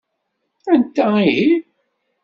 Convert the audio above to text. Anta ihi?